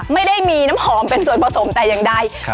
ไม่ได้มีน้ำหอมเป็นส่วนผสมแต่อย่างใด